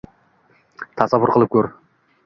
— Tasavvur qilib ko‘r